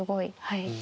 はい。